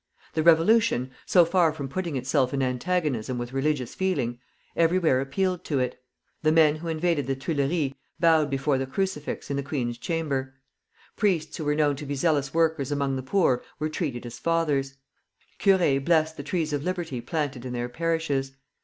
The revolution, so far from putting itself in antagonism with religious feeling, everywhere appealed to it. The men who invaded the Tuileries bowed before the crucifix in the queen's chamber. Priests who were known to be zealous workers among the poor were treated as fathers. Curés blessed the trees of liberty planted in their parishes.